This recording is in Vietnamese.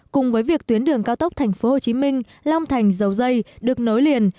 cùng với việc tuyến đường cao tốc tp hcm long thành dầu dây được nối liền